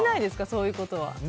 そういうことは。